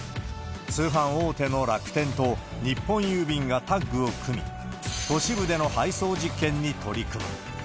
通販大手の楽天と日本郵便がタッグを組み、都市部での配送実験に取り組む。